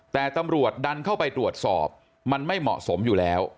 แต่ตำรวจดันเข้าไปตรวจสอบมันไม่เหมาะสมอยู่แล้ว